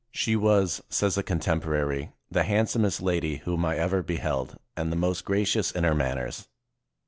"She was," says a contemporary, "the handsomest lady whom I ever beheld, and the most gracious in her manners."